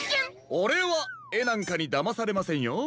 オレはえなんかにだまされませんよ。